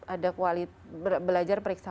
ada kualitas belajar periksa